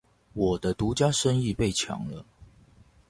我的獨家生意被搶了